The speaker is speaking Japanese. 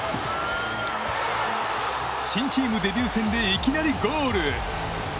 新チームデビュー戦でいきなりゴール！